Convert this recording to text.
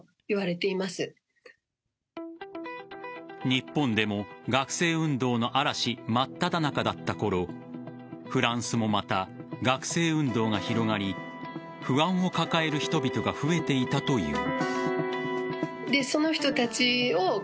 日本でも学生運動の嵐真っただ中だった頃フランスもまた学生運動が広がり不安を抱える人々が増えていたという。